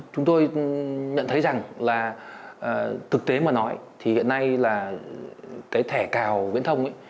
chúng tôi nhận thấy rằng là thực tế mà nói thì hiện nay là cái thẻ cào viễn thông ấy